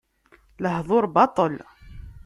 Lehduṛ baṭel.